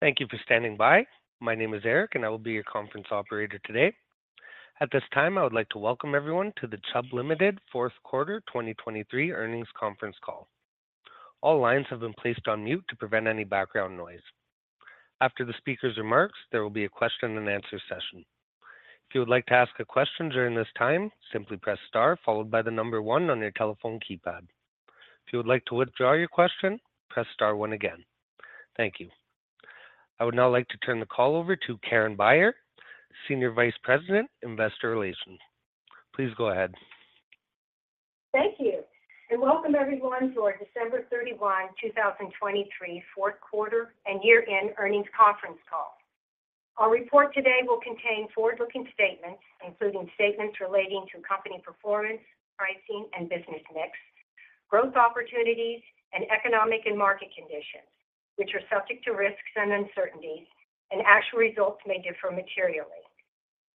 Thank you for standing by. My name is Eric, and I will be your conference operator today. At this time, I would like to welcome everyone to the Chubb Limited fourth quarter 2023 earnings conference call. All lines have been placed on mute to prevent any background noise. After the speaker's remarks, there will be a question and answer session. If you would like to ask a question during this time, simply press star followed by the number one on your telephone keypad. If you would like to withdraw your question, press star one again. Thank you. I would now like to turn the call over to Karen Beyer, Senior Vice President, Investor Relations. Please go ahead. Thank you, and welcome everyone to our December 31, 2023, fourth quarter and year-end earnings conference call. Our report today will contain forward-looking statements, including statements relating to company performance, pricing, and business mix, growth opportunities, and economic and market conditions, which are subject to risks and uncertainties, and actual results may differ materially.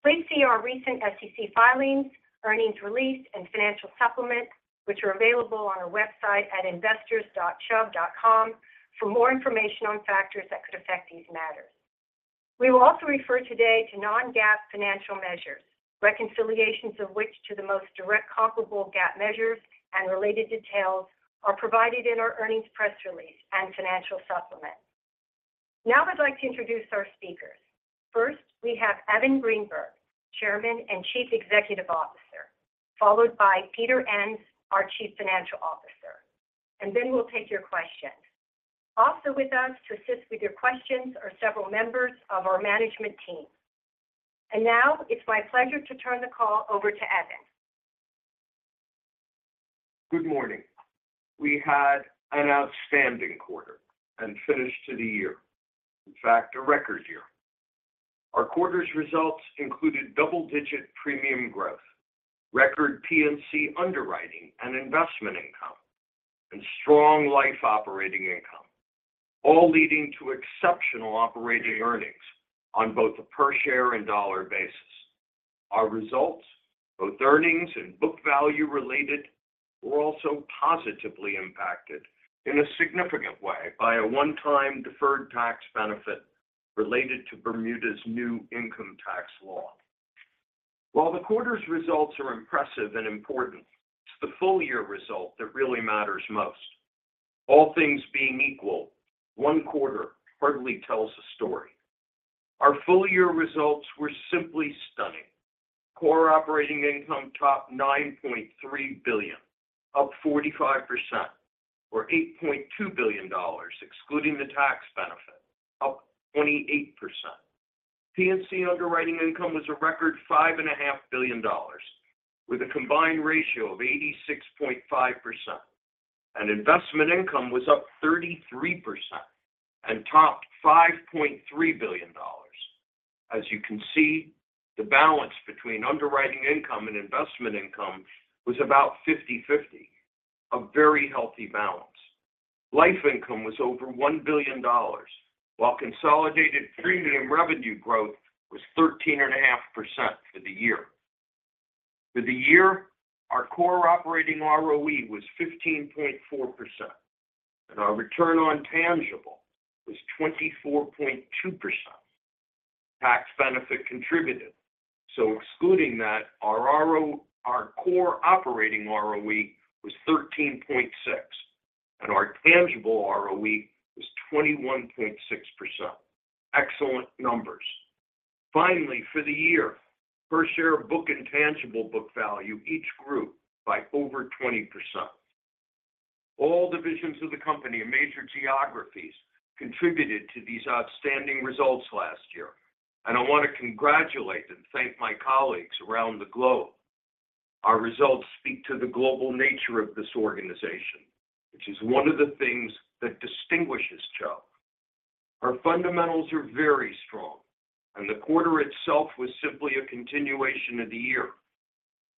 Please see our recent SEC filings, earnings release, and financial supplement, which are available on our website at investors.chubb.com for more information on factors that could affect these matters. We will also refer today to non-GAAP financial measures, reconciliations of which to the most direct comparable GAAP measures and related details are provided in our earnings press release and financial supplement. Now, I'd like to introduce our speakers. First, we have Evan Greenberg, Chairman and Chief Executive Officer, followed by Peter Enns, our Chief Financial Officer, and then we'll take your questions. Also with us to assist with your questions are several members of our management team. And now it's my pleasure to turn the call over to Evan. Good morning. We had an outstanding quarter and finish to the year. In fact, a record year. Our quarter's results included double-digit premium growth, record P&C underwriting and investment income, and strong life operating income, all leading to exceptional operating earnings on both a per share and dollar basis. Our results, both earnings and book value related, were also positively impacted in a significant way by a one-time deferred tax benefit related to Bermuda's new income tax law. While the quarter's results are impressive and important, it's the full year result that really matters most. All things being equal, one quarter hardly tells a story. Our full year results were simply stunning. Core operating income topped $9.3 billion, up 45%, or $8.2 billion, excluding the tax benefit, up 28%. P&C underwriting income was a record $5.5 billion, with a combined ratio of 86.5%, and investment income was up 33% and topped $5.3 billion. As you can see, the balance between underwriting income and investment income was about 50/50, a very healthy balance. Life income was over $1 billion, while consolidated premium revenue growth was 13.5% for the year. For the year, our core operating ROE was 15.4%, and our return on tangible was 24.2%. Tax benefit contributed, so excluding that, our core operating ROE was 13.6%, and our tangible ROE was 21.6%. Excellent numbers. Finally, for the year, per share, book and tangible book value each grew by over 20%. All divisions of the company and major geographies contributed to these outstanding results last year, and I want to congratulate and thank my colleagues around the globe. Our results speak to the global nature of this organization, which is one of the things that distinguishes Chubb. Our fundamentals are very strong, and the quarter itself was simply a continuation of the year.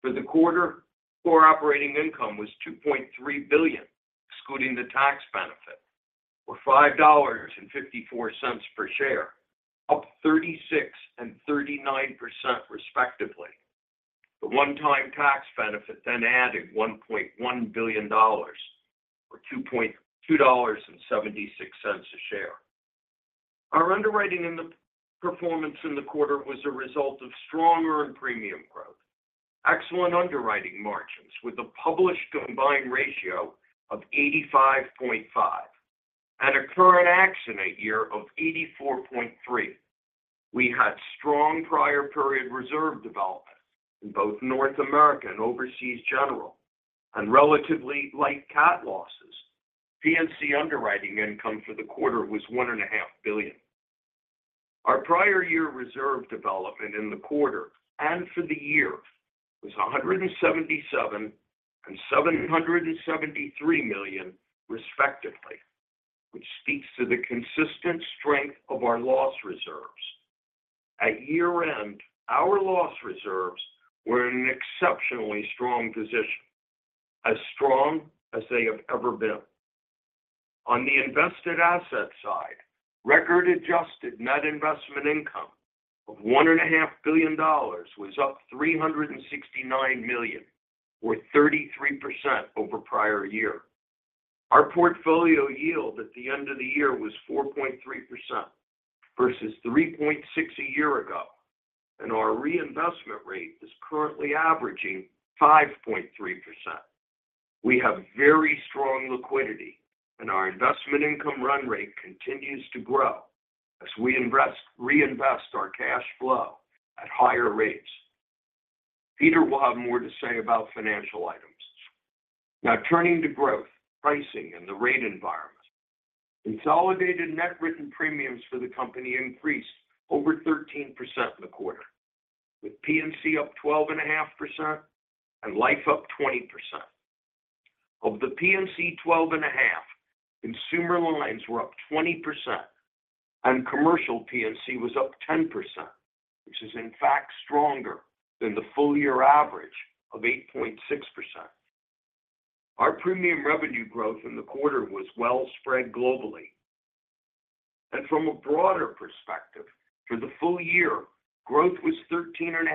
For the quarter, core operating income was $2.3 billion, excluding the tax benefit, or $5.54 per share, up 36% and 39%, respectively. The one-time tax benefit then added $1.1 billion, or $2.276 a share. Our underwriting in the performance in the quarter was a result of stronger and premium growth, excellent underwriting margins with a published combined ratio of 85.5 and a current accident year of 84.3. We had strong prior period reserve development in both North America and Overseas General and relatively light CAT losses. P&C underwriting income for the quarter was $1.5 billion. Our prior year reserve development in the quarter and for the year was $177 million and $773 million, respectively, which speaks to the consistent strength of our loss reserves. At year-end, our loss reserves were in an exceptionally strong position, as strong as they have ever been. On the invested asset side, record adjusted net investment income of $1.5 billion was up $369 million, or 33% over prior year. Our portfolio yield at the end of the year was 4.3% versus 3.6% a year ago, and our reinvestment rate is currently averaging 5.3%. We have very strong liquidity, and our investment income run rate continues to grow as we reinvest our cash flow at higher rates. Peter will have more to say about financial items. Now, turning to growth, pricing, and the rate environment. Consolidated net written premiums for the company increased over 13% in the quarter, with P&C up 12.5% and life up 20%. Of the P&C 12.5, consumer lines were up 20% and Commercial P&C was up 10%, which is in fact stronger than the full year average of 8.6%. Our premium revenue growth in the quarter was well spread globally. From a broader perspective, for the full year, growth was 13.5%,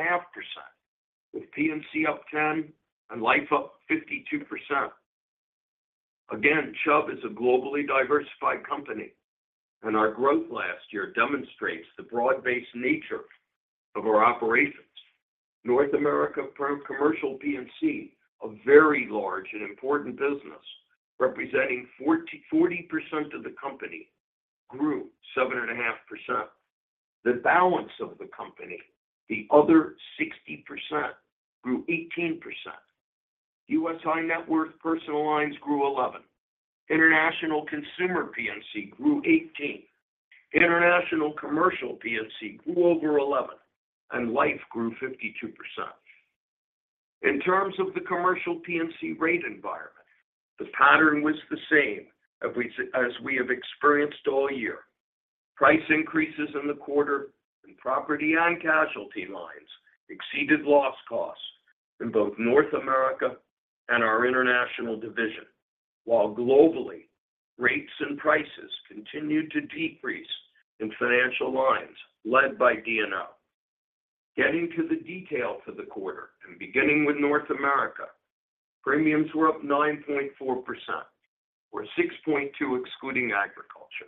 with P&C up 10% and life up 52%. Again, Chubb is a globally diversified company, and our growth last year demonstrates the broad-based nature of our operations. North America Commercial P&C, a very large and important business, representing 40% of the company, grew 7.5%. The balance of the company, the other 60%, grew 18%. U.S. High Net Worth Personal lines grew 11%, International Consumer P&C grew 18%, International Commercial P&C grew over 11%, and Life grew 52%. In terms of the Commercial P&C rate environment, the pattern was the same as we, as we have experienced all year. Price increases in the quarter and Property and Casualty lines exceeded loss costs in both North America and our international division, while globally, rates and prices continued to decrease in financial lines led by D&O. Getting to the detail for the quarter and beginning with North America, premiums were up 9.4%, or 6.2%, excluding Agriculture,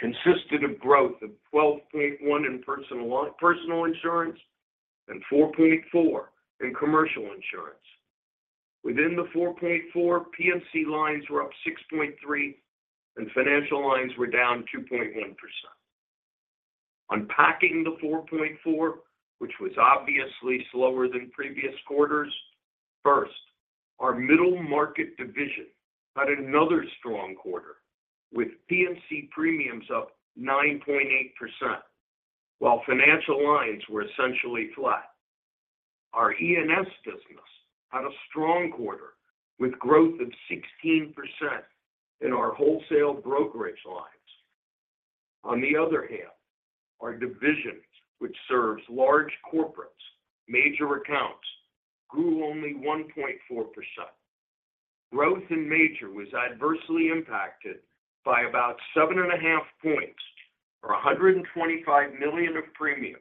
and consisted of growth of 12.1% in Personal Line-- Personal Insurance and 4.4% in Commercial Insurance. Within the 4.4%, P&C lines were up 6.3%, and financial lines were down 2.1%. Unpacking the 4.4%, which was obviously slower than previous quarters, first, our middle market division had another strong quarter, with P&C premiums up 9.8%, while financial lines were essentially flat. Our E&S business had a strong quarter, with growth of 16% in our Wholesale Brokerage lines. On the other hand, our divisions, which serves large corporates, Major Accounts, grew only 1.4%. Growth in major was adversely impacted by about 7.5 points or $125 million of premium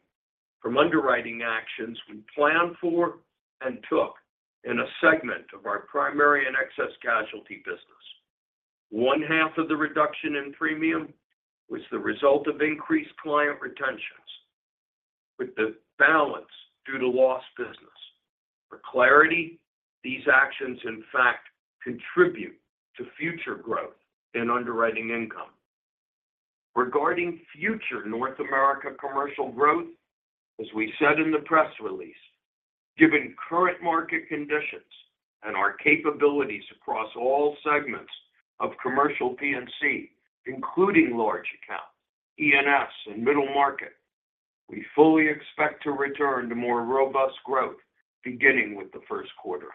from underwriting actions we planned for and took in a segment of our primary and excess casualty business. One half of the reduction in premium was the result of increased client retentions, with the balance due to lost business. For clarity, these actions, in fact, contribute to future growth in underwriting income. Regarding future North America Commercial growth, as we said in the press release, given current market conditions and our capabilities across all segments of Commercial P&C, including large accounts, E&S, and middle market, we fully expect to return to more robust growth beginning with the first quarter.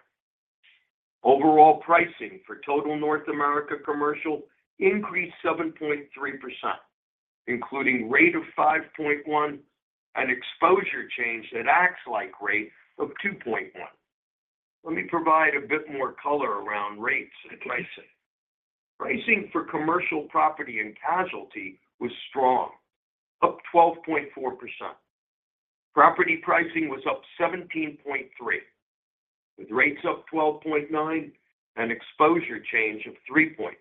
Overall pricing for total North America Commercial increased 7.3%, including rate of 5.1 and exposure change that acts like rate of 2.1. Let me provide a bit more color around rates and pricing. Pricing for commercial Property and Casualty was strong, up 12.4%. Property pricing was up 17.3, with rates up 12.9 and exposure change of 3.9.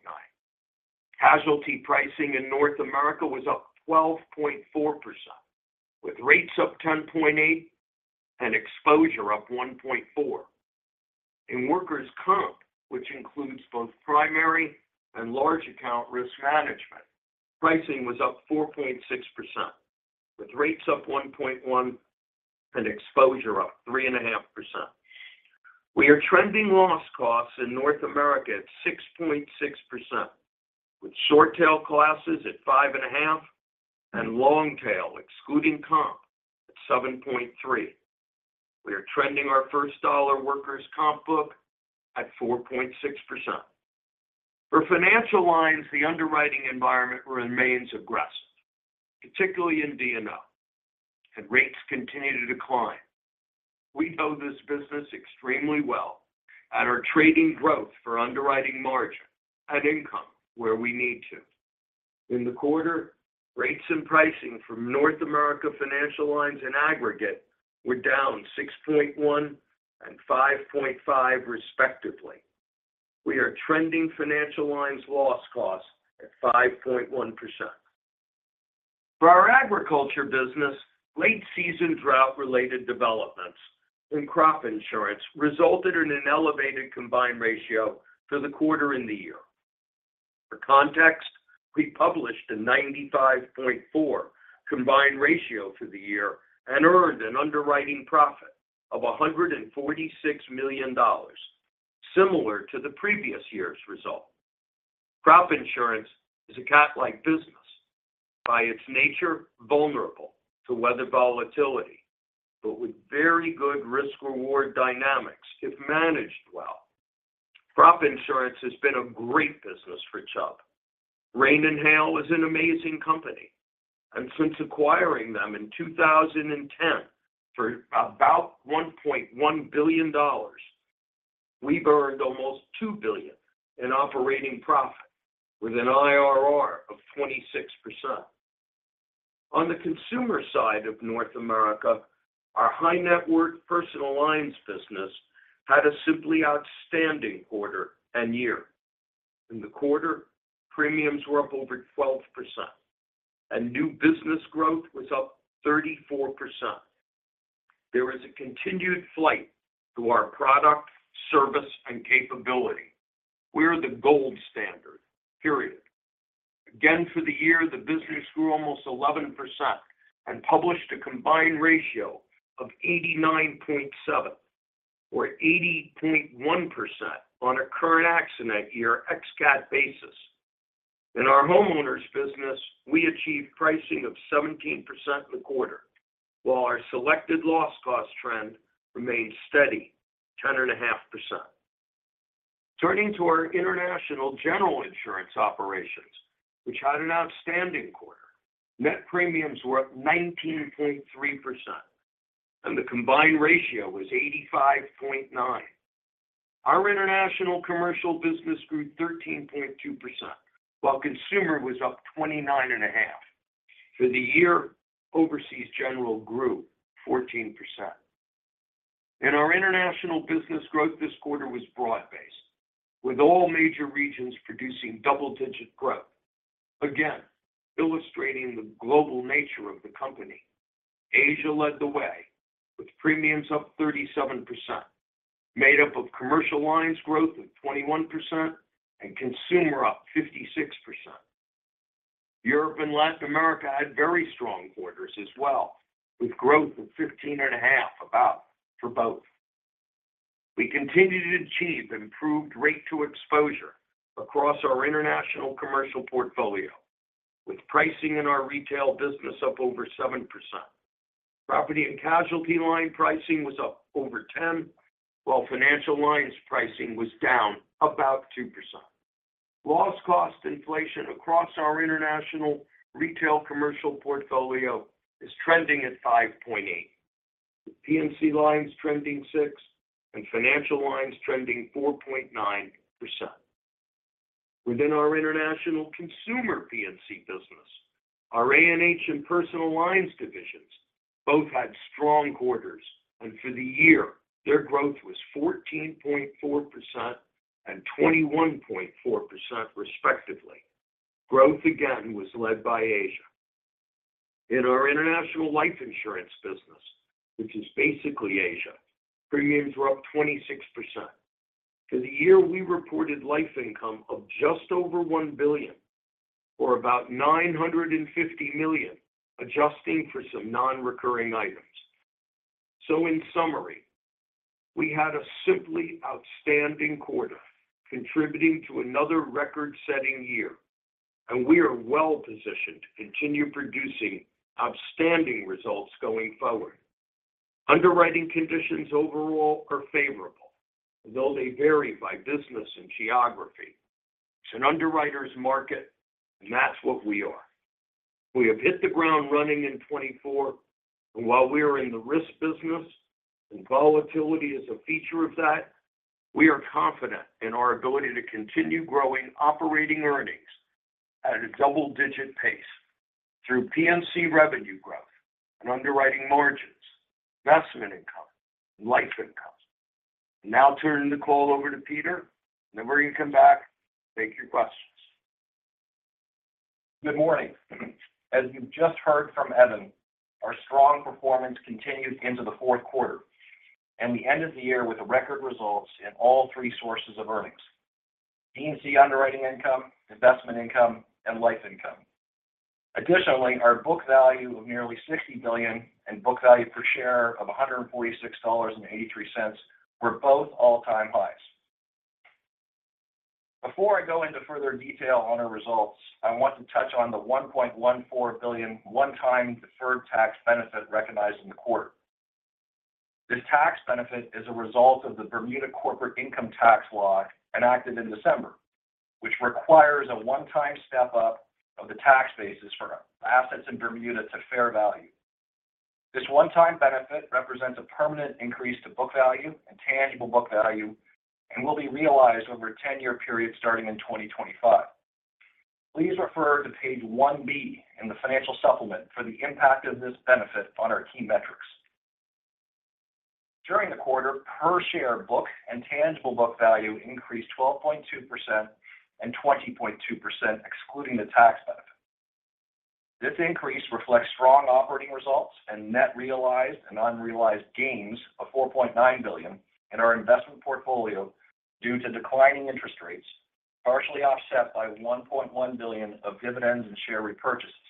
Casualty pricing in North America was up 12.4%, with rates up 10.8 and exposure up 1.4. In workers' comp, which includes both primary and large account risk management, pricing was up 4.6%, with rates up 1.1 and exposure up 3.5%. We are trending loss costs in North America at 6.6%, with short tail classes at 5.5 and long tail, excluding comp, at 7.3. We are trending our first dollar workers' comp book at 4.6%. For financial lines, the underwriting environment remains aggressive, particularly in D&O, and rates continue to decline. We know this business extremely well and are trading growth for underwriting margin and income where we need to. In the quarter, rates and pricing from North America Financial Lines in aggregate were down 6.1 and 5.5, respectively. We are trending financial lines loss costs at 5.1%. For our Agriculture business, late-season drought-related developments in Crop Insurance resulted in an elevated combined ratio for the quarter and the year. For context, we published a 95.4 combined ratio for the year and earned an underwriting profit of $146 million, similar to the previous year's result. Crop Insurance is a CAT-like business, by its nature, vulnerable to weather volatility, but with very good risk-reward dynamics if managed well. Crop Insurance has been a great business for Chubb. Rain and Hail is an amazing company, and since acquiring them in 2010 for about $1.1 billion, we've earned almost $2 billion in operating profit with an IRR of 26%. On the consumer side of North America, our high-net-worth Personal lines business had a simply outstanding quarter and year. In the quarter, premiums were up over 12%, and new business growth was up 34%. There was a continued flight to our product, service, and capability. We're the gold standard, period. Again, for the year, the business grew almost 11% and published a combined ratio of 89.7% or 80.1% on a current accident year ex-CAT basis. In our Homeowners business, we achieved pricing of 17% in the quarter, while our selected Loss Cost Trend remained steady, 10.5%. Turning to our International General Insurance operations, which had an outstanding quarter, net premiums were up 19.3%, and the Combined Ratio was 85.9. Our International Commercial business grew 13.2%, while consumer was up 29.5%. For the year, Overseas General grew 14%. Our international business growth this quarter was broad-based, with all major regions producing double-digit growth, again, illustrating the global nature of the company. Asia led the way with premiums up 37%, made up of commercial lines growth of 21% and consumer up 56%. Europe and Latin America had very strong quarters as well, with growth of 15.5%, about, for both. We continued to achieve improved rate to exposure across our International Commercial portfolio, with pricing in our retail business up over 7%. Property and Casualty line pricing was up over 10, while financial lines pricing was down about 2%. Loss cost inflation across our International Retail Commercial portfolio is trending at 5.8, with P&C lines trending 6% and financial lines trending 4.9%. Within our international consumer P&C business, our A&H and Personal lines divisions both had strong quarters, and for the year, their growth was 14.4% and 21.4%, respectively. Growth again was led by Asia. In our International Life Insurance business, which is basically Asia, premiums were up 26%. For the year, we reported life income of just over $1 billion or about $950 million, adjusting for some non-recurring items. So in summary, we had a simply outstanding quarter, contributing to another record-setting year, and we are well positioned to continue producing outstanding results going forward. Underwriting conditions overall are favorable, although they vary by business and geography. It's an underwriter's market, and that's what we are. We have hit the ground running in 2024, and while we are in the risk business and volatility is a feature of that, we are confident in our ability to continue growing operating earnings at a double-digit pace through P&C revenue growth and underwriting margins, investment income, and life income. Now turning the call over to Peter, then we're going to come back, take your questions. Good morning. As you've just heard from Evan, our strong performance continued into the fourth quarter, and we ended the year with a record results in all three sources of earnings: P&C underwriting income, investment income, and life income. Additionally, our book value of nearly $60 billion and book value per share of $146.83 were both all-time highs. Before I go into further detail on our results, I want to touch on the $1.14 billion one-time deferred tax benefit recognized in the quarter. This tax benefit is a result of the Bermuda Corporate Income Tax law enacted in December, which requires a one-time step-up of the tax bases for assets in Bermuda to fair value. This one-time benefit represents a permanent increase to book value and tangible book value, and will be realized over a 10-year period starting in 2025. Please refer to page 1B in the financial supplement for the impact of this benefit on our key metrics. During the quarter, per share, book and tangible book value increased 12.2% and 20.2%, excluding the tax benefit. This increase reflects strong operating results and net realized and unrealized gains of $4.9 billion in our investment portfolio due to declining interest rates, partially offset by $1.1 billion of dividends and share repurchases.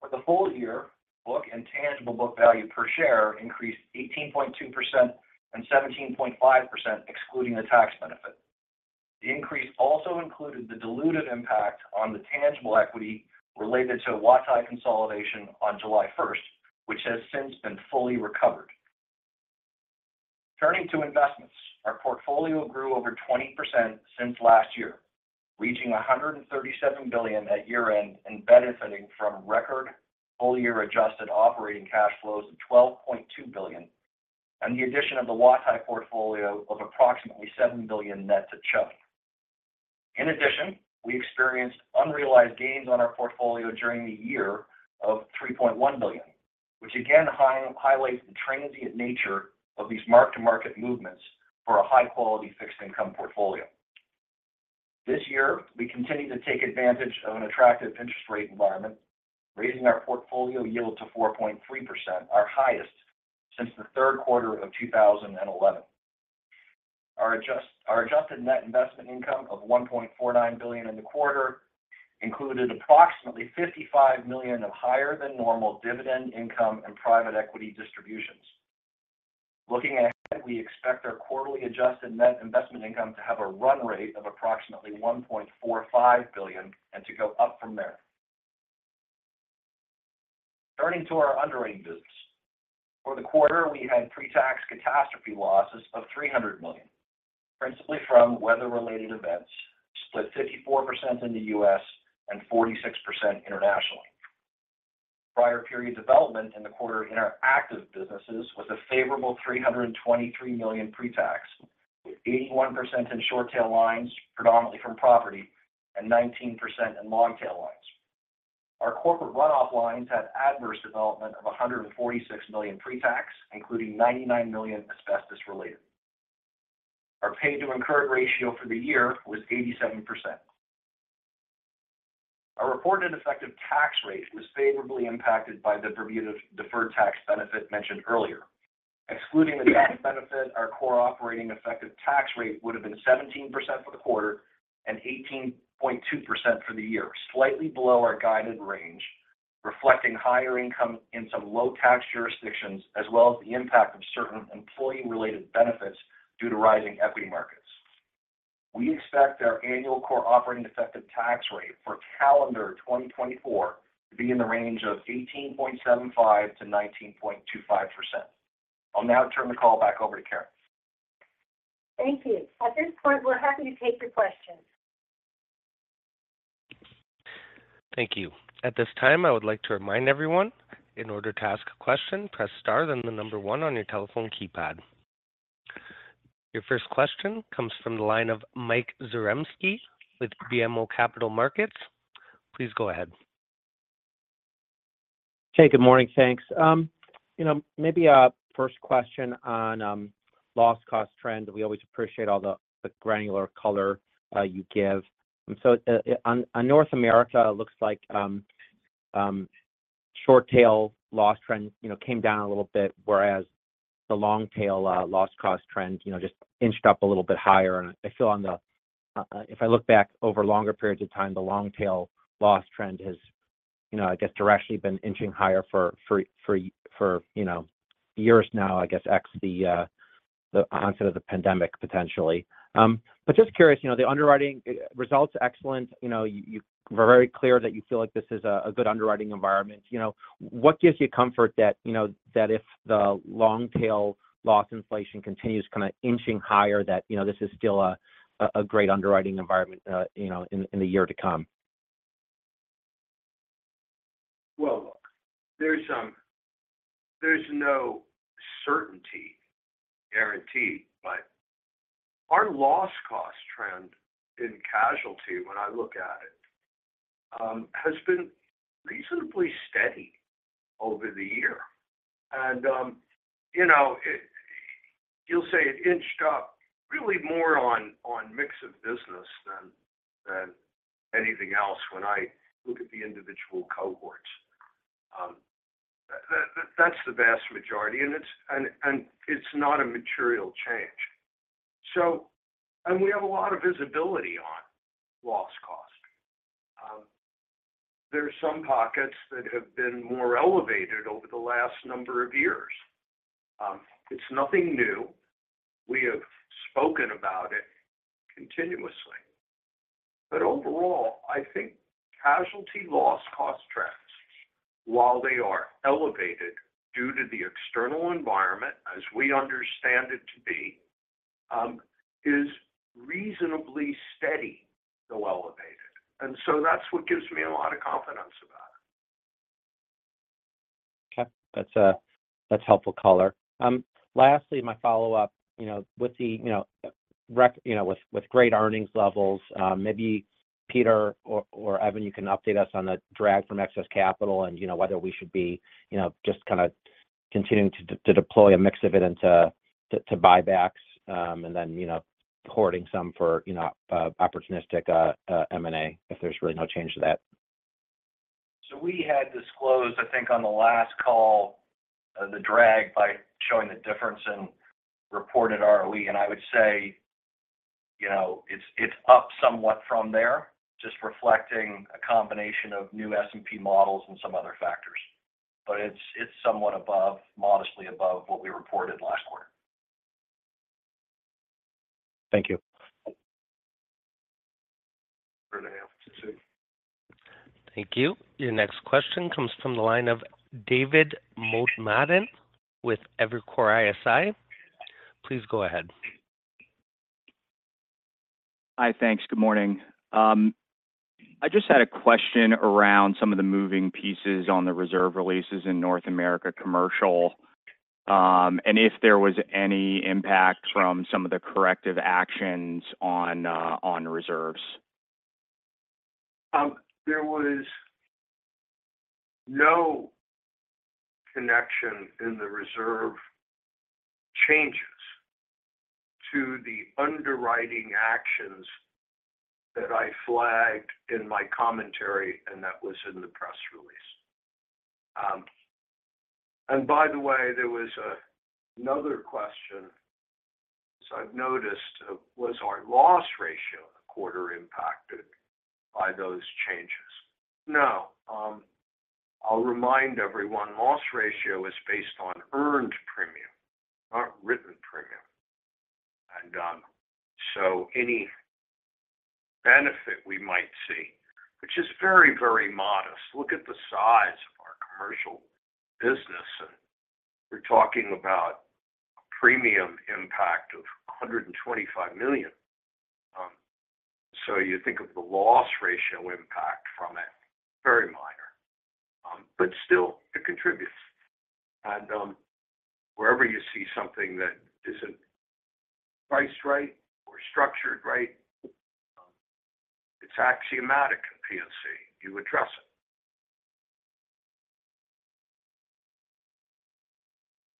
For the full year, book and tangible book value per share increased 18.2% and 17.5%, excluding the tax benefit. The increase also included the diluted impact on the tangible equity related to Huatai consolidation on July 1st, which has since been fully recovered. Turning to investments, our portfolio grew over 20% since last year, reaching $137 billion at year-end and benefiting from record full-year adjusted operating cash flows of $12.2 billion, and the addition of the Huatai portfolio of approximately $7 billion net to Chubb. In addition, we experienced unrealized gains on our portfolio during the year of $3.1 billion, which again highlights the transient nature of these mark-to-market movements for a high-quality fixed income portfolio. This year, we continued to take advantage of an attractive interest rate environment, raising our portfolio yield to 4.3%, our highest since the third quarter of 2011. Our adjusted net investment income of $1.49 billion in the quarter included approximately $55 million of higher-than-normal dividend income and private equity distributions. Looking ahead, we expect our quarterly adjusted net investment income to have a run rate of approximately $1.45 billion and to go up from there. Turning to our underwriting business. For the quarter, we had pre-tax catastrophe losses of $300 million, principally from weather-related events, split 54% in the U.S. and 46% internationally. Prior period development in the quarter in our active businesses was a favorable $323 million pre-tax, with 81% in short tail lines, predominantly from property, and 19% in long tail lines. Our corporate runoff lines had adverse development of $146 million pre-tax, including $99 million asbestos-related. Our paid to incurred ratio for the year was 87%. Our reported effective tax rate was favorably impacted by the Bermuda deferred tax benefit mentioned earlier. Excluding the tax benefit, our core operating effective tax rate would have been 17% for the quarter and 18.2% for the year, slightly below our guided range, reflecting higher income in some low tax jurisdictions, as well as the impact of certain employee-related benefits due to rising equity markets. We expect our annual core operating effective tax rate for calendar 2024 to be in the range of 18.75%-19.25%. I'll now turn the call back over to Karen. Thank you. At this point, we're happy to take your questions. Thank you. At this time, I would like to remind everyone, in order to ask a question, press star, then the number one on your telephone keypad. Your first question comes from the line of Mike Zaremski with BMO Capital Markets. Please go ahead. Hey, good morning, thanks. You know, maybe a first question on loss cost trend. We always appreciate all the granular color you give. So, on North America, it looks like short tail loss trend, you know, came down a little bit, whereas the long tail loss cost trend, you know, just inched up a little bit higher. And I feel on the if I look back over longer periods of time, the long tail loss trend has, you know, I guess, directly been inching higher for you know, years now, I guess, ex the onset of the pandemic, potentially. But just curious, you know, the underwriting results, excellent. You know, you were very clear that you feel like this is a good underwriting environment. You know, what gives you comfort that, you know, that if the long tail loss inflation continues kind of inching higher, that, you know, this is still a great underwriting environment, you know, in the year to come? Well, look, there's no certainty, guarantee, but our loss cost trend in casualty, when I look at it, has been reasonably steady over the year. And, you know, it—you'll say it inched up really more on mix of business than anything else when I look at the individual cohorts. That's the vast majority, and it's, and it's not a material change. So, and we have a lot of visibility on loss cost. There are some pockets that have been more elevated over the last number of years. It's nothing new. We have spoken about it continuously. But overall, I think casualty loss cost trends, while they are elevated due to the external environment as we understand it to be, is reasonably steady, though elevated. And so that's what gives me a lot of confidence about it. Okay. That's, that's helpful color. Lastly, my follow-up, you know, with the, you know, with great earnings levels, maybe Peter or, or Evan, you can update us on the drag from excess capital and, you know, whether we should be, you know, just kind of continuing to, to deploy a mix of it into to, to buybacks, and then, you know, hoarding some for, you know, opportunistic, M&A, if there's really no change to that. So we had disclosed, I think, on the last call, the drag by showing the difference in reported ROE. And I would say, you know, it's, it's up somewhat from there, just reflecting a combination of new S&P models and some other factors. But it's, it's somewhat above, modestly above what we reported last quarter. Thank you. 2.5% to 2%. Thank you. Your next question comes from the line of David Motemaden with Evercore ISI. Please go ahead. Hi. Thanks. Good morning. I just had a question around some of the moving pieces on the reserve releases in North America Commercial, and if there was any impact from some of the corrective actions on, on reserves? There was no connection in the reserve changes to the underwriting actions that I flagged in my commentary, and that was in the press release. And by the way, there was another question, as I've noticed, was our loss ratio a quarter impacted by those changes? No. I'll remind everyone, loss ratio is based on earned premium, not written premium. And so any benefit we might see, which is very, very modest, look at the size of our commercial business, and we're talking about a premium impact of $125 million. So you think of the loss ratio impact from it, very minor, but still, it contributes. And wherever you see something that isn't priced right or structured right, it's axiomatic at P&C, you address it.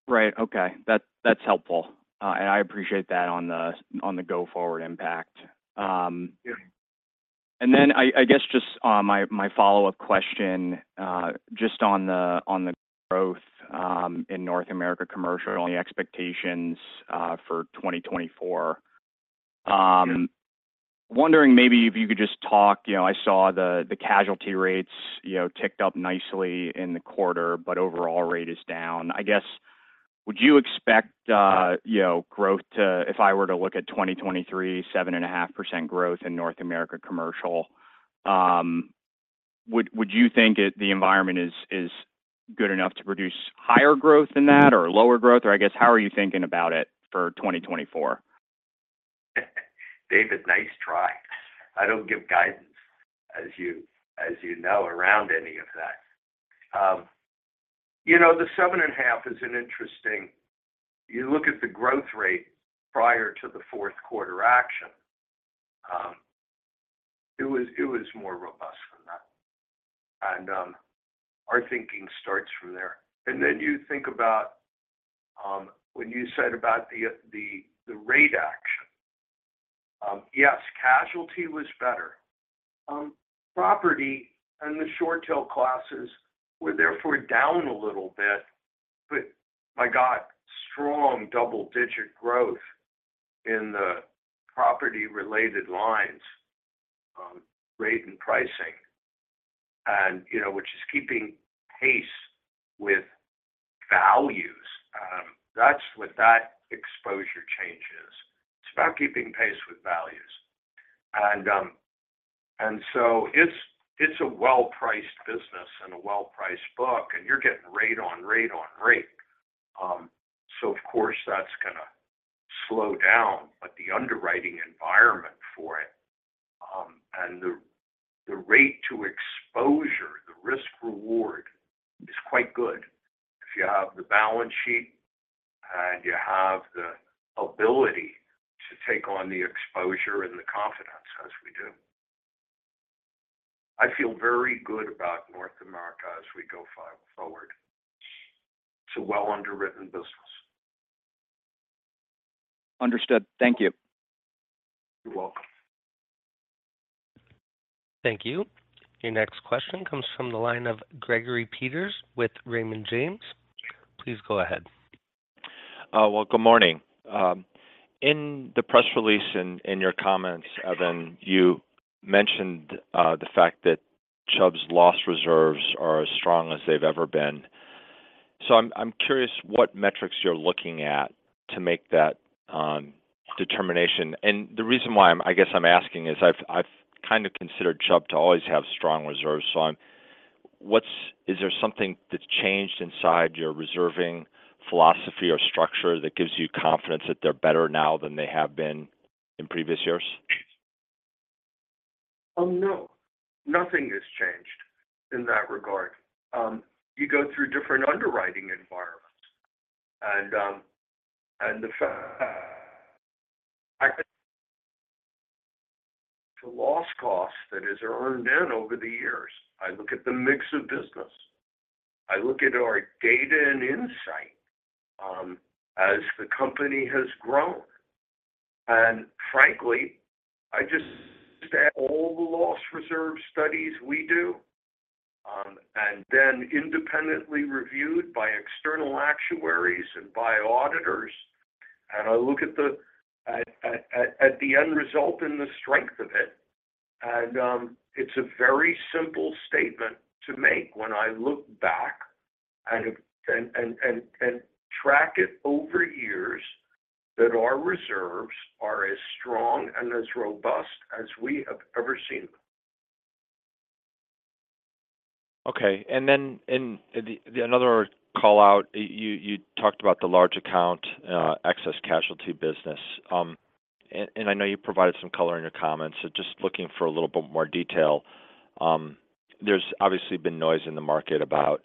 Right. Okay. That, that's helpful. And I appreciate that on the, on the go-forward impact. Yeah. I guess just my follow-up question just on the growth in North America Commercial on the expectations for 2024? Yeah. Wondering maybe if you could just talk, you know, I saw the, the casualty rates, you know, ticked up nicely in the quarter, but overall rate is down. I guess, would you expect, you know, growth to-- if I were to look at 2023, 7.5% growth in North America Commercial, would, would you think it, the environment is, is good enough to produce higher growth than that or lower growth? Or I guess, how are you thinking about it for 2024? David, nice try. I don't give guidance, as you, as you know, around any of that. You know, the 7.5% is an interesting-- you look at the growth rate prior to the fourth quarter action, it was, it was more robust than that. And, our thinking starts from there. And then you think about, when you said about the, the rate action. Yes, casualty was better. Property and the short-tail classes were therefore down a little bit, but I got strong double-digit growth in the property-related lines, rate and pricing, and, you know, which is keeping pace with values. That's what that exposure change is. It's about keeping pace with values. And, and so it's, it's a well-priced business and a well-priced book, and you're getting rate on rate on rate. Of course, that's going to slow down, but the underwriting environment for it, and the rate to exposure, the risk reward, is quite good if you have the balance sheet and you have the ability to take on the exposure and the confidence as we do. I feel very good about North America as we go far forward. It's a well underwritten business. Understood. Thank you. You're welcome. Thank you. Your next question comes from the line of Gregory Peters with Raymond James. Please go ahead. Well, good morning. In the press release and in your comments, Evan, you mentioned the fact that Chubb's loss reserves are as strong as they've ever been. So I'm, I'm curious what metrics you're looking at to make that determination. And the reason why I'm, I guess I'm asking is I've, I've kind of considered Chubb to always have strong reserves. So, is there something that's changed inside your reserving philosophy or structure that gives you confidence that they're better now than they have been in previous years? No, nothing has changed in that regard. You go through different underwriting environments and the fact, the loss cost that is earned in over the years, I look at the mix of business. I look at our data and insight, as the company has grown. And frankly, I just add all the loss reserve studies we do, and then independently reviewed by external actuaries and by auditors. And I look at the end result and the strength of it. It's a very simple statement to make when I look back and track it over years, that our reserves are as strong and as robust as we have ever seen them. Okay. And then in the another call out, you talked about the large account excess casualty business. And I know you provided some color in your comments, so just looking for a little bit more detail. There's obviously been noise in the market about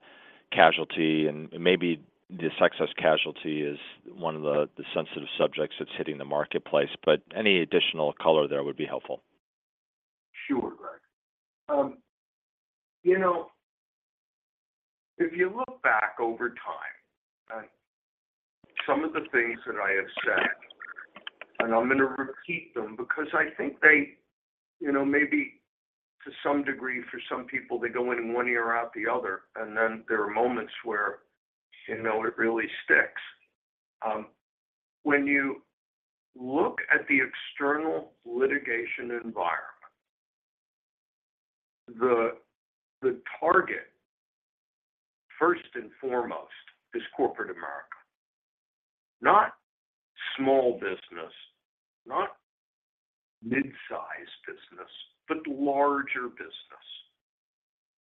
casualty, and maybe this excess casualty is one of the sensitive subjects that's hitting the marketplace, but any additional color there would be helpful. Sure, Greg. You know, if you look back over time, some of the things that I have said, and I'm going to repeat them because I think they, you know, maybe to some degree, for some people, they go in one ear, out the other, and then there are moments where, you know, it really sticks. When you look at the external litigation environment, the target, first and foremost, is corporate America. Not small business, not mid-sized business, but larger business.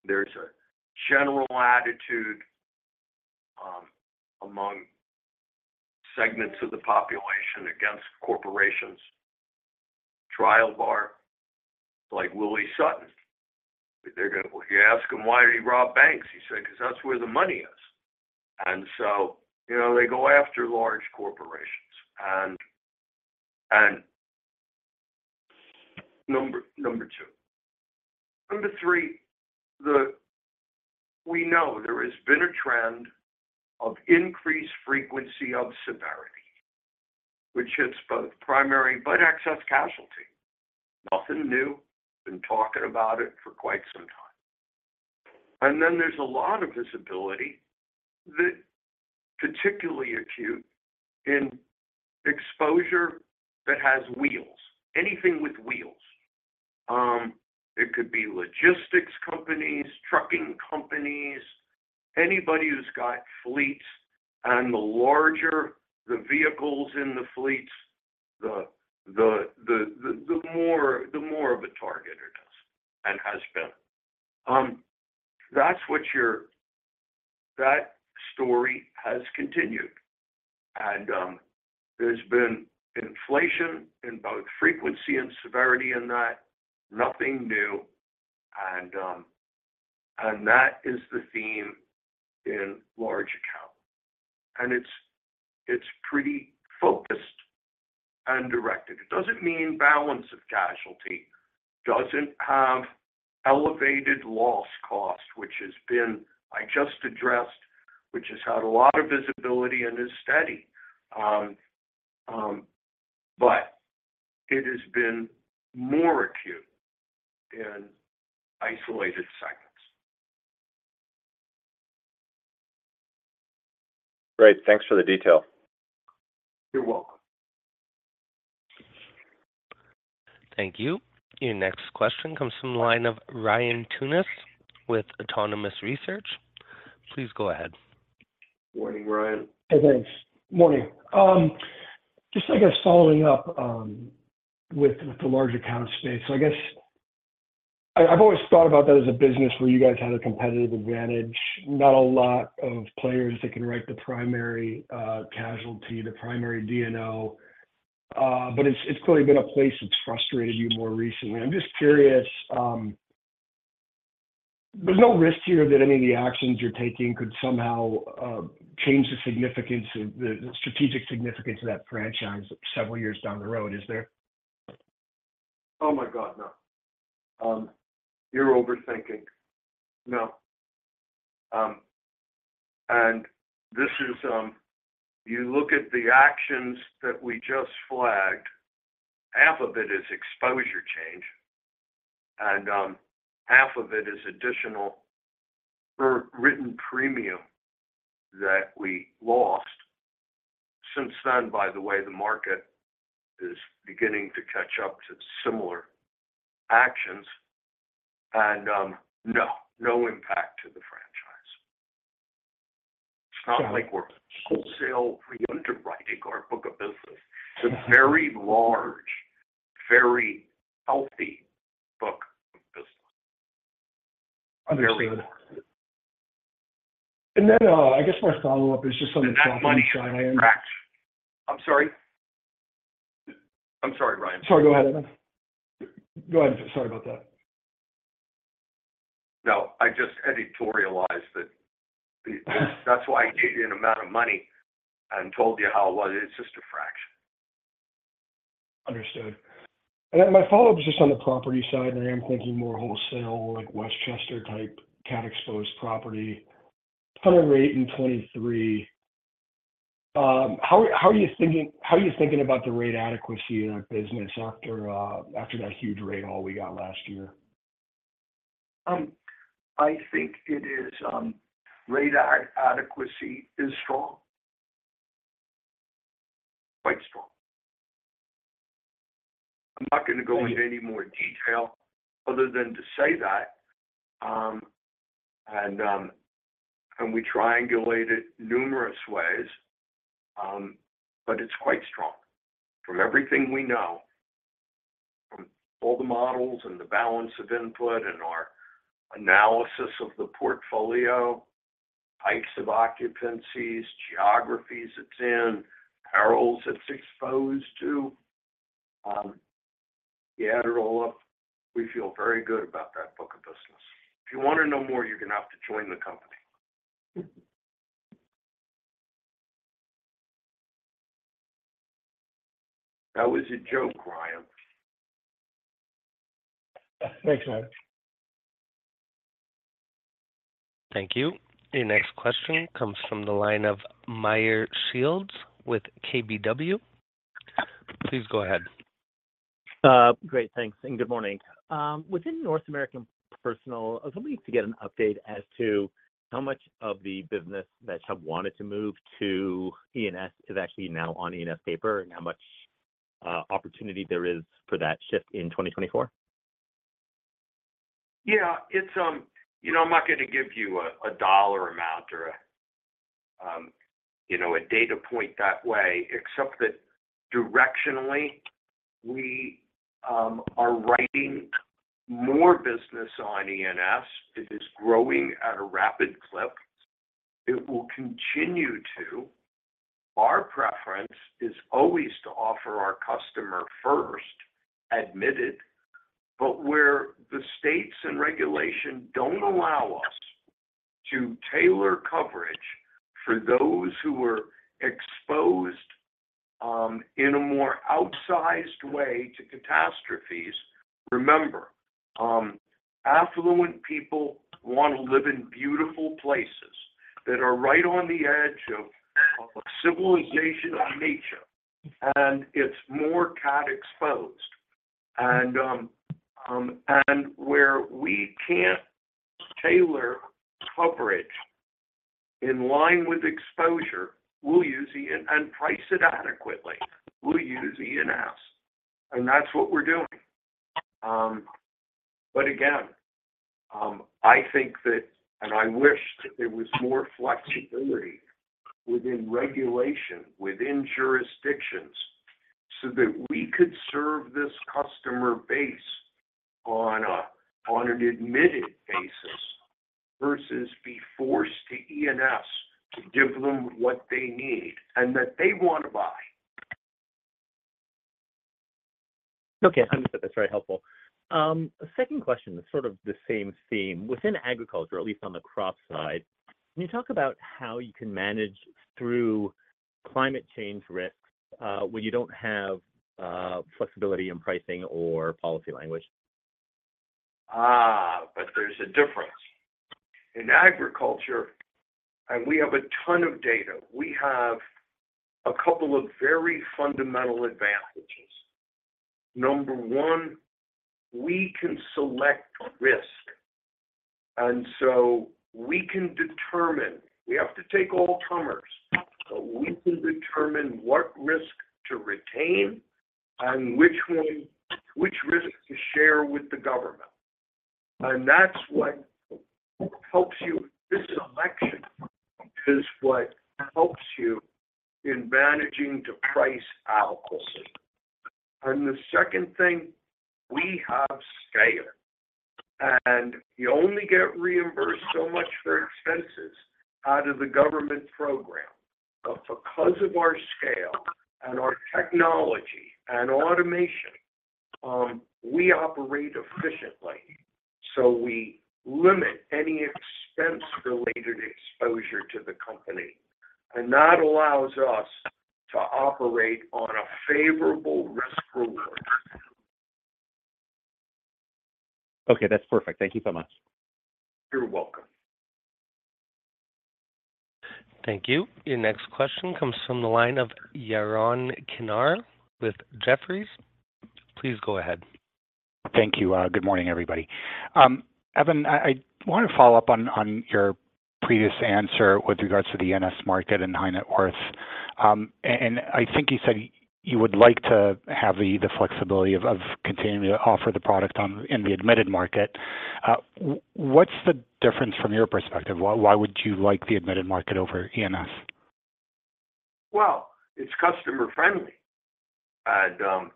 There's a general attitude, among segments of the population against corporations. Trial bar, like Willie Sutton, they're gonna—you ask him, why did he rob banks? He said, "'Cause that's where the money is." And so, you know, they go after large corporations, and number two. Number three, the... We know there has been a trend of increased frequency of severity, which hits both primary but excess casualty. Nothing new. Been talking about it for quite some time. And then there's a lot of visibility that particularly acute in exposure that has wheels, anything with wheels. It could be logistics companies, trucking companies, anybody who's got fleets, and the larger the vehicles in the fleets, the more of a target it is and has been. That story has continued, and there's been inflation in both frequency and severity in that. Nothing new. And that is the theme in large account, and it's pretty focused and directed. It doesn't mean balance of casualty doesn't have elevated loss cost, which has been, I just addressed, which has had a lot of visibility and is steady. It has been more acute in isolated segments. Great. Thanks for the detail. You're welcome. Thank you. Your next question comes from the line of Ryan Tunis with Autonomous Research. Please go ahead. Morning, Ryan. Hey, thanks. Morning. Just, I guess, following up with the large account space. So I guess I, I've always thought about that as a business where you guys had a competitive advantage. Not a lot of players that can write the primary casualty, the primary D&O, but it's clearly been a place that's frustrated you more recently. I'm just curious, there's no risk here that any of the actions you're taking could somehow change the significance of the strategic significance of that franchise several years down the road, is there? Oh, my God, no. You're overthinking. No. And this is, you look at the actions that we just flagged, half of it is exposure change, and half of it is additional for written premium that we lost... since then, by the way, the market is beginning to catch up to similar actions and, no, no impact to the franchise. It's not like we're wholesale rewriting our book of business. It's a very large, very healthy book of business. Understood. And then, I guess my follow-up is just on the- And that money, fraction. I'm sorry? I'm sorry, Ryan. Sorry, go ahead. Go ahead. Sorry about that. No, I just editorialized that. That's why I gave you an amount of money and told you how it was. It's just a fraction. Understood. And then my follow-up is just on the property side, and I'm thinking more wholesale, like Westchester type, CAT-exposed property, ton of rate in 2023. How are you thinking about the rate adequacy in that business after that huge rate haul we got last year? I think it is, rate adequacy is strong. Quite strong. I'm not going to go into any more detail other than to say that, and, and we triangulate it numerous ways, but it's quite strong. From everything we know, from all the models and the balance of input and our analysis of the portfolio, heights of occupancies, geographies it's in, perils it's exposed to, you add it all up, we feel very good about that book of business. If you want to know more, you're going to have to join the company. That was a joke, Ryan. Thanks, man. Thank you. Your next question comes from the line of Meyer Shields with KBW. Please go ahead. Great, thanks, and good morning. Within North American Personal, I was hoping to get an update as to how much of the business that have wanted to move to E&S is actually now on E&S paper, and how much opportunity there is for that shift in 2024? Yeah, it's, you know, I'm not going to give you a, a dollar amount or a, you know, a data point that way, except that directionally, we are writing more business on E&S. It is growing at a rapid clip. It will continue to. Our preference is always to offer our customer first, admitted, but where the states and regulation don't allow us to tailor coverage for those who are exposed, in a more outsized way to catastrophes. Remember, affluent people want to live in beautiful places that are right on the edge of civilization and nature, and it's more CAT exposed. And, and where we can't tailor coverage in line with exposure, we'll use E&S and price it adequately. We'll use E&S, and that's what we're doing. But again, I think that and I wish that there was more flexibility within regulation, within jurisdictions, so that we could serve this customer base on an admitted basis versus be forced to E&S to give them what they need and that they want to buy. Okay, that's very helpful. Second question is sort of the same theme. Within Agriculture, at least on the crop side, can you talk about how you can manage through climate change risks, when you don't have flexibility in pricing or policy language? Ah, but there's a difference. In Agriculture, and we have a ton of data, we have a couple of very fundamental advantages. Number one, we can select risk, and so we can determine... We have to take all comers, but we can determine what risk to retain and which one, which risk to share with the government. And that's what helps you. This election is what helps you in managing to price adequately. And the second thing, we have scale, and you only get reimbursed so much for expenses out of the government program. But because of our scale and our technology and automation, we operate efficiently, so we limit any expense-related exposure to the company, and that allows us to operate on a favorable risk reward. Okay, that's perfect. Thank you so much. You're welcome. Thank you. Your next question comes from the line of Yaron Kinar with Jefferies. Please go ahead. Thank you. Good morning, everybody. Evan, I want to follow up on your previous answer with regards to the E&S market and high net worth. I think you said you would like to have the flexibility of continuing to offer the product on, in the admitted market. What's the difference from your perspective? Why would you like the admitted market over E&S? Well, it's customer friendly. And,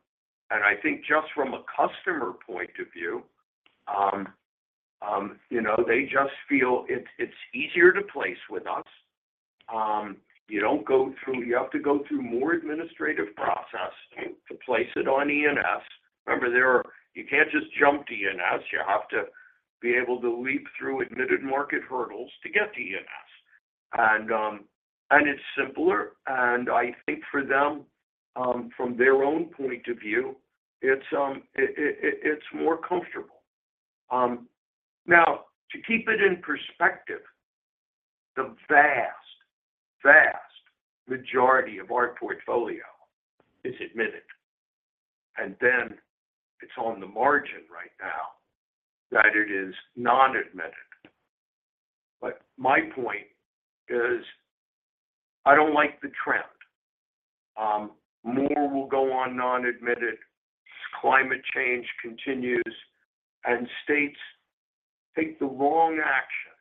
and I think just from a customer point of view, you know, they just feel it's, it's easier to place with us. You don't go through, you have to go through more administrative process to place it on E&S. Remember, there are, you can't just jump to E&S. You have to be able to leap through admitted market hurdles to get to E&S. And, and it's simpler, and I think for them, from their own point of view, it's, it, it, it's more comfortable. Now, to keep it in perspective, the vast, vast majority of our portfolio is admitted, and then it's on the margin right now that it is non-admitted. But my point is, I don't like the trend. More will go on non-admitted as climate change continues and states take the wrong action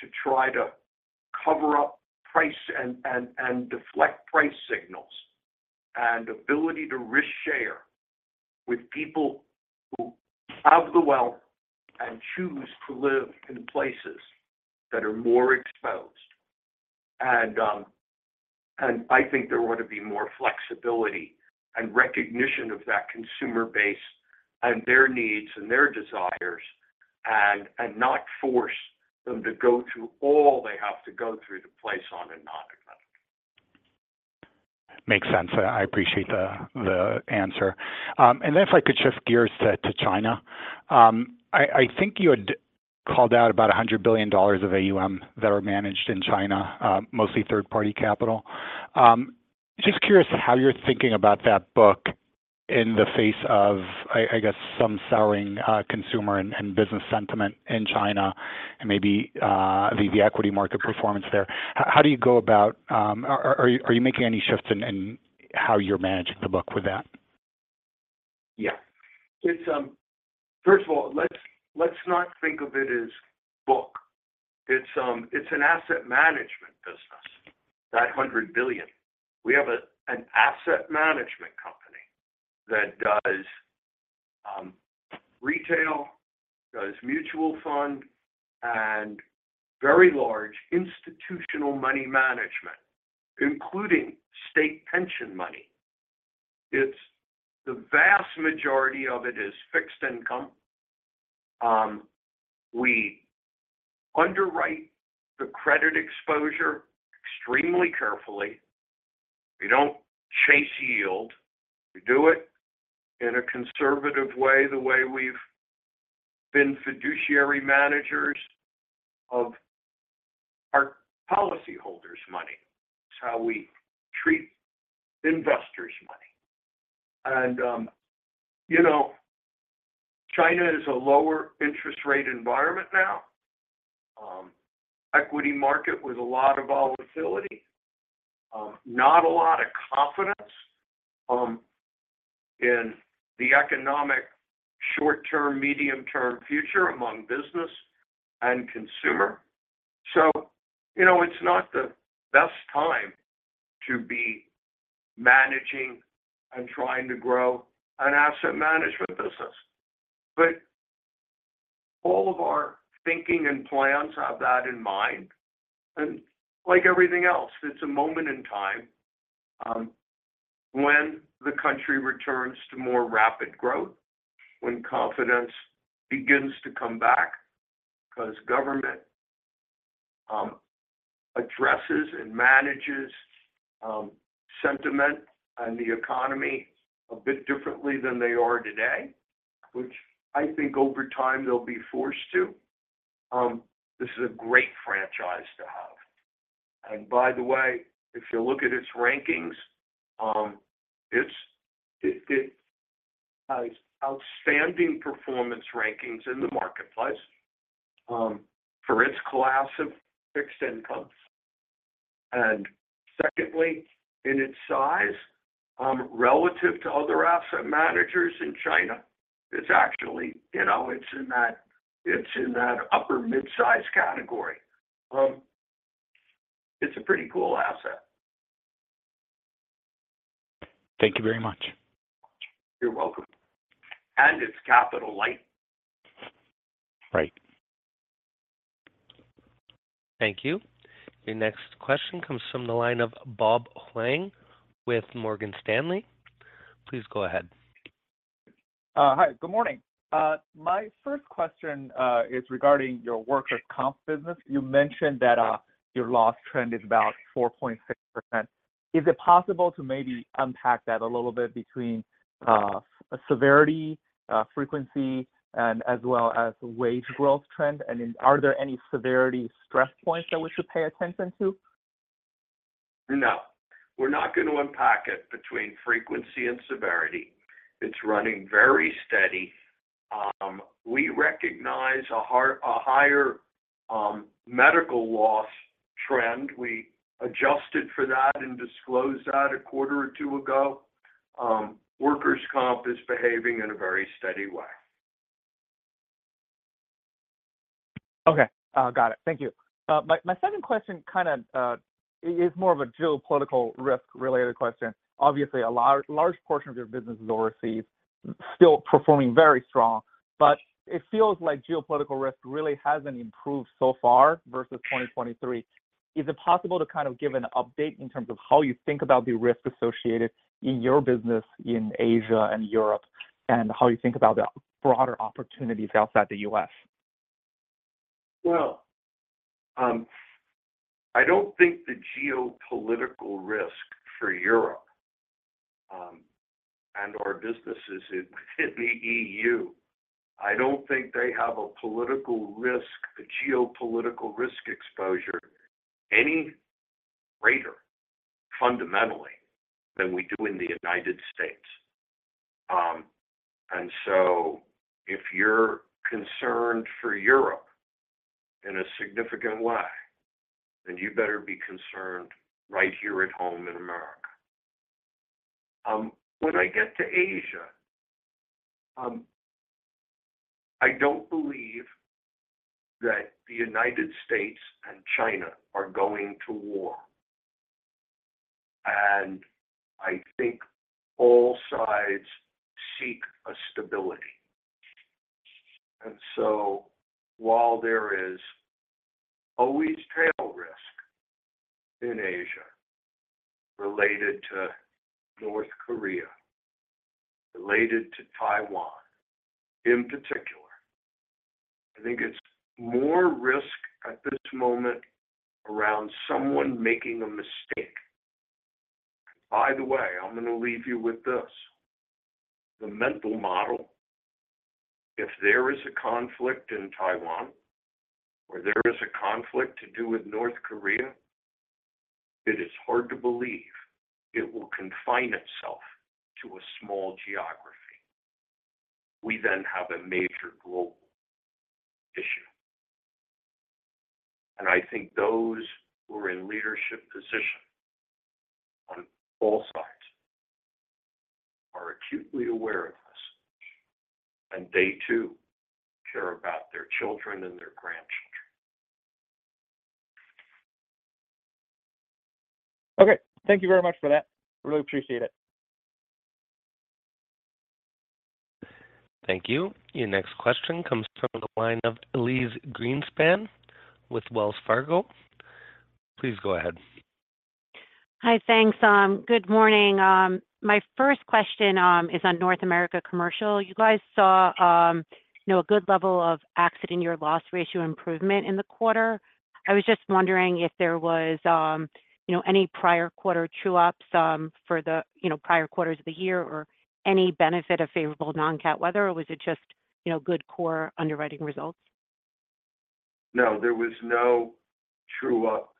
to try to cover up price and deflect price signals and ability to risk share with people who have the wealth and choose to live in places that are more exposed. And I think there ought to be more flexibility and recognition of that consumer base and their needs and their desires, and not force them to go through all they have to go through to place on a non-admitted. Makes sense. I appreciate the, the answer. Then if I could shift gears to, to China. I think you had called out about $100 billion of AUM that are managed in China, mostly third-party capital. Just curious how you're thinking about that book in the face of, I guess, some souring consumer and business sentiment in China and maybe the equity market performance there. How do you go about... Are you making any shifts in how you're managing the book with that? Yeah. It's first of all, let's not think of it as book. It's an asset management business, that $100 billion. We have an asset management company that does retail, does mutual fund, and very large institutional money management, including state pension money. It's the vast majority of it is fixed income. We underwrite the credit exposure extremely carefully. We don't chase yield. We do it in a conservative way, the way we've been fiduciary managers of our policyholders' money. It's how we treat investors' money. And you know, China is a lower interest rate environment now. Equity market with a lot of volatility, not a lot of confidence in the economic short-term, medium-term future among business and consumer. So you know, it's not the best time to be managing and trying to grow an asset management business. But all of our thinking and plans have that in mind, and like everything else, it's a moment in time, when the country returns to more rapid growth, when confidence begins to come back. Because government addresses and manages sentiment and the economy a bit differently than they are today, which I think over time they'll be forced to. This is a great franchise to have. And by the way, if you look at its rankings, it has outstanding performance rankings in the marketplace, for its class of fixed income. And secondly, in its size, relative to other asset managers in China, it's actually, you know, it's in that upper mid-size category. It's a pretty cool asset. Thank you very much. You're welcome. And it's capital light. Right. Thank you. The next question comes from the line of Bob Huang with Morgan Stanley. Please go ahead. Hi, good morning. My first question is regarding your workers' comp business. You mentioned that your loss trend is about 4.6%. Is it possible to maybe unpack that a little bit between severity, frequency, and as well as wage growth trend? And then are there any severity stress points that we should pay attention to? No, we're not going to unpack it between frequency and severity. It's running very steady. We recognize a higher medical loss trend. We adjusted for that and disclosed that a quarter or two ago. Workers' comp is behaving in a very steady way. Okay, got it. Thank you. My second question kind of is more of a geopolitical risk-related question. Obviously, a large portion of your business is overseas, still performing very strong, but it feels like geopolitical risk really hasn't improved so far versus 2023. Is it possible to kind of give an update in terms of how you think about the risk associated in your business in Asia and Europe, and how you think about the broader opportunities outside the U.S.? Well, I don't think the geopolitical risk for Europe and our businesses in the EU. I don't think they have a political risk, a geopolitical risk exposure any greater fundamentally than we do in the United States. And so if you're concerned for Europe in a significant way, then you better be concerned right here at home in America. When I get to Asia, I don't believe that the United States and China are going to war, and I think all sides seek a stability. And so while there is always tail risk in Asia related to North Korea, related to Taiwan in particular, I think it's more risk at this moment around someone making a mistake. By the way, I'm going to leave you with this: the mental model, if there is a conflict in Taiwan or there is a conflict to do with North Korea, it is hard to believe it will confine itself to a small geography. We then have a major global issue, and I think those who are in leadership position on all sides are acutely aware of this, and they too care about their children and their grandchildren. Okay. Thank you very much for that. Really appreciate it. Thank you. Your next question comes from the line of Elyse Greenspan with Wells Fargo. Please go ahead. Hi. Thanks. Good morning. My first question is on North America Commercial. You guys saw, you know, a good level of accident year loss ratio improvement in the quarter. I was just wondering if there was, you know, any prior quarter true-ups for the, you know, prior quarters of the year or any benefit of favorable non-CAT weather, or was it just, you know, good core underwriting results? No, there was no true-up,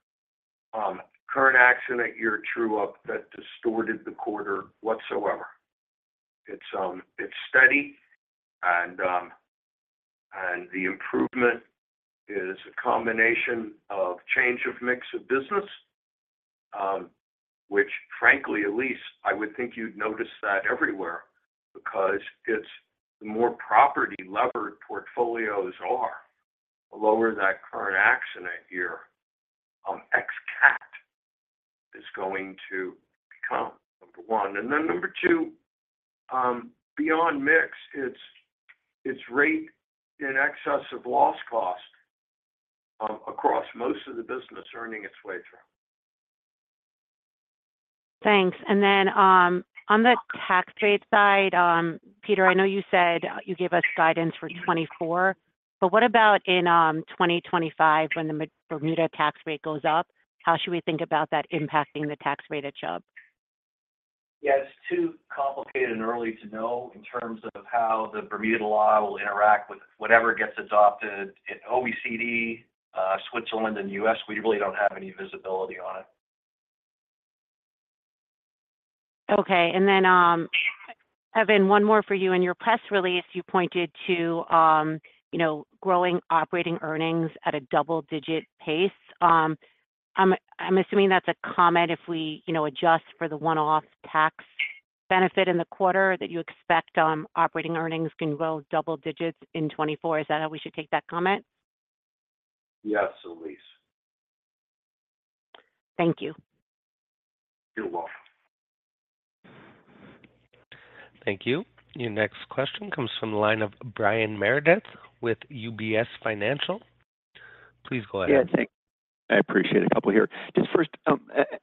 current accident year true-up that distorted the quarter whatsoever. It's steady and the improvement is a combination of change of mix of business, which frankly, at least I would think you'd notice that everywhere, because the more property-levered portfolios are, the lower that current accident year ex-CAT is going to become, number one. And then number two, beyond mix, it's rate in excess of loss cost across most of the business earning its way through. Thanks. And then, on the tax rate side, Peter, I know you said you gave us guidance for 2024, but what about in 2025 when the new Bermuda tax rate goes up? How should we think about that impacting the tax rate at Chubb? Yeah, it's too complicated and early to know in terms of how the Bermuda law will interact with whatever gets adopted in OECD, Switzerland, and the U.S. We really don't have any visibility on it. Okay. And then, Evan, one more for you. In your press release, you pointed to, you know, growing operating earnings at a double-digit pace. I'm assuming that's a comment if we, you know, adjust for the one-off tax benefit in the quarter that you expect, operating earnings can grow double digits in 2024. Is that how we should take that comment? Yes, Elyse. Thank you. You're welcome. Thank you. Your next question comes from the line of Brian Meredith with UBS Financial. Please go ahead. Yeah, thanks. I appreciate a couple here. Just first,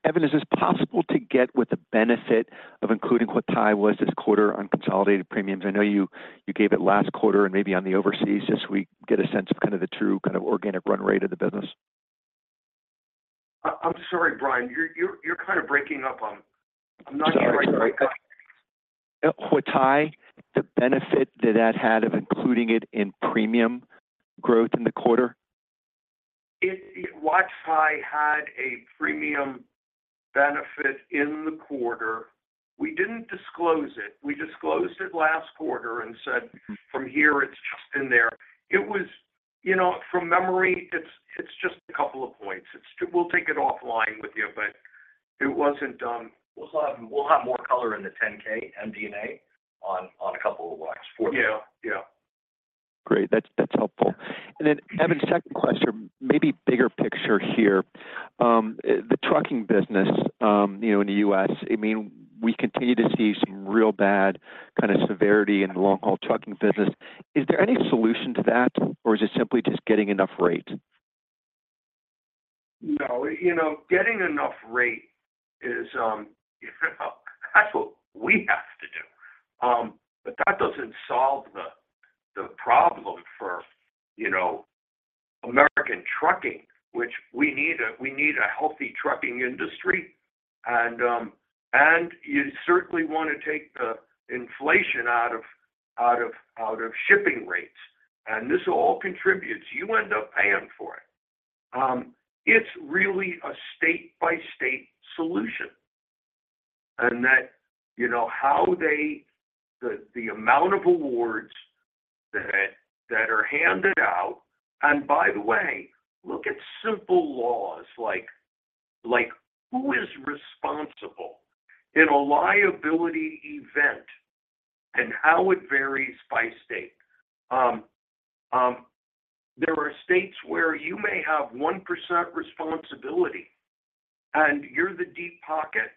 Evan, is it possible to get with the benefit of including Huatai was this quarter on consolidated premiums? I know you, you gave it last quarter and maybe on the overseas, just so we get a sense of kind of the true kind of organic run rate of the business. I'm sorry, Brian. You're kind of breaking up on me. Sorry, Huatai, the benefit that that had of including it in premium growth in the quarter? It, Huatai had a premium benefit in the quarter. We didn't disclose it. We disclosed it last quarter and said, from here, it's just in there. It was, you know, from memory, it's just a couple of points. It's. We'll take it offline with you, but it wasn't. We'll have more color in the 10-K, MD&A on a couple of watch for you. Yeah. Yeah. Great. That's, that's helpful. And then, Evan, second question, maybe bigger picture here. The trucking business, you know, in the U.S., I mean, we continue to see some real bad kind of severity in the long-haul trucking business. Is there any solution to that, or is it simply just getting enough rate? No, you know, getting enough rate is, that's what we have to do. But that doesn't solve the problem for, you know, American trucking, which we need a healthy trucking industry. And you certainly want to take the inflation out of shipping rates, and this all contributes. You end up paying for it. It's really a state-by-state solution, and that, you know, how they, the amount of awards that are handed out. And by the way, look at simple laws like who is responsible in a liability event and how it varies by state? There are states where you may have 1% responsibility, and you're the deep pocket,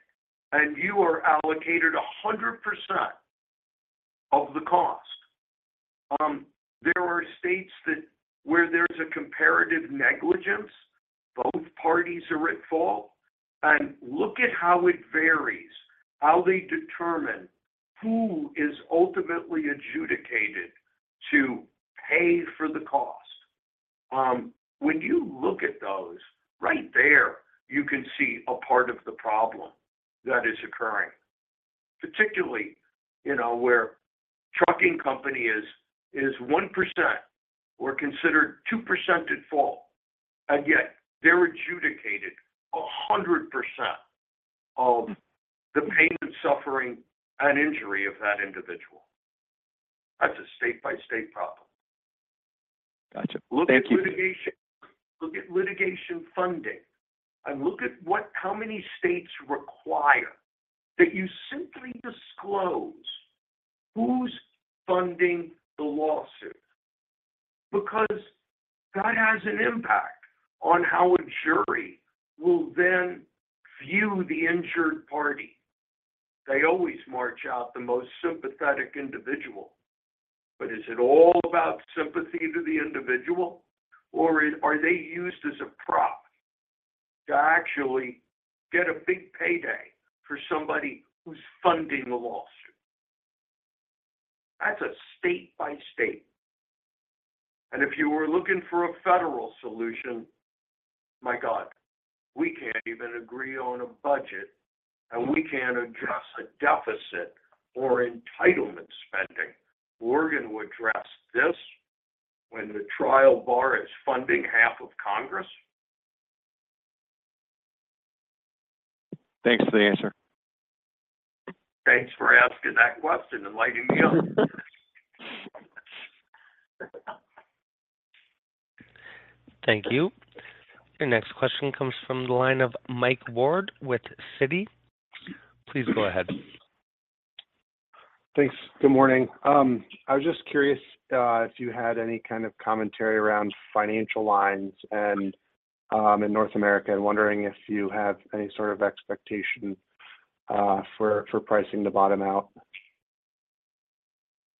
and you are allocated 100% of the cost. There are states that, where there's a comparative negligence, both parties are at fault. Look at how it varies, how they determine who is ultimately adjudicated to pay for the cost. When you look at those, right there, you can see a part of the problem that is occurring, particularly, you know, where trucking company is 1% or considered 2% at fault, and yet they're adjudicated 100% of the pain, suffering, and injury of that individual. That's a state-by-state problem. Gotcha. Thank you. Look at litigation. Look at litigation funding, and look at what, how many states require that you simply disclose who's funding the lawsuit, because that has an impact on how a jury will then view the injured party. They always march out the most sympathetic individual. But is it all about sympathy to the individual, or are they used as a prop to actually get a big payday for somebody who's funding the lawsuit? That's a state by state. And if you were looking for a federal solution, my God, we can't even agree on a budget, and we can't address a deficit or entitlement spending. We're going to address this when the trial bar is funding half of Congress? Thanks for the answer. Thanks for asking that question and lighting me up. Thank you. Your next question comes from the line of Mike Ward with Citi. Please go ahead. Thanks. Good morning. I was just curious if you had any kind of commentary around financial lines and in North America, and wondering if you have any sort of expectation for pricing the bottom out?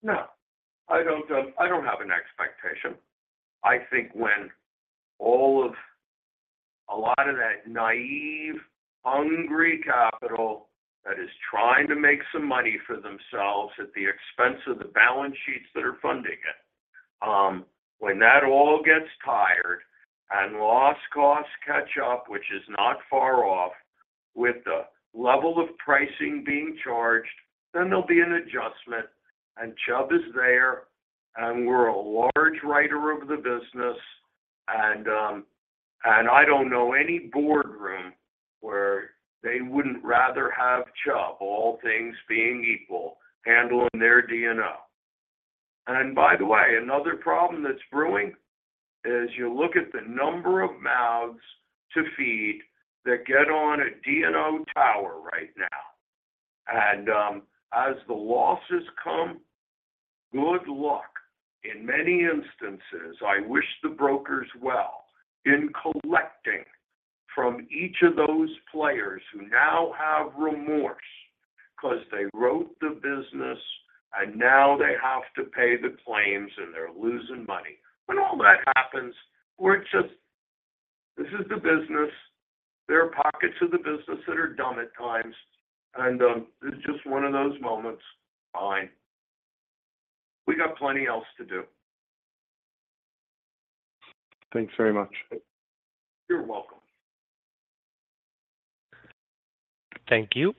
No, I don't. I don't have an expectation. I think when all of a lot of that naive, hungry capital that is trying to make some money for themselves at the expense of the balance sheets that are funding it, when that all gets tired and loss costs catch up, which is not far off, with the level of pricing being charged, then there'll be an adjustment, and Chubb is there, and we're a large writer of the business. And I don't know any boardroom where they wouldn't rather have Chubb, all things being equal, handling their D&O. And by the way, another problem that's brewing is you look at the number of mouths to feed that get on a D&O tower right now. And as the losses come, good luck. In many instances, I wish the brokers well in collecting from each of those players who now have remorse because they wrote the business, and now they have to pay the claims, and they're losing money. When all that happens, we're just. This is the business. There are pockets of the business that are dumb at times, and this is just one of those moments. Fine. We got plenty else to do. Thanks very much. You're welcome. Thank you.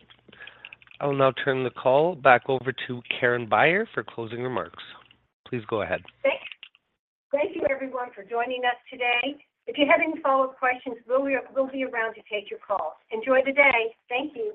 I will now turn the call back over to Karen Beyer for closing remarks. Please go ahead. Thank you, everyone, for joining us today. If you have any follow-up questions, we'll be around to take your call. Enjoy the day. Thank you.